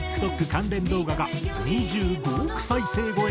関連動画が２５億再生超えと